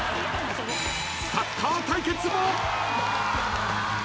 ［サッカー対決も］